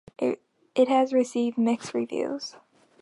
It has received mixed reviews.